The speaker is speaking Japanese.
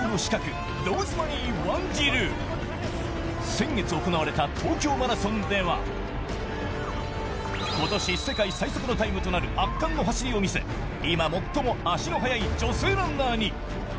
先月行われた東京マラソンでは、今年世界最速のタイムとなる圧巻の走りを見せ今最も足の速い女性ランナーに。